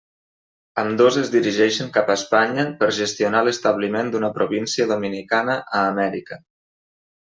Ambdós es dirigiren cap a Espanya per gestionar l'establiment d'una província dominicana a Amèrica.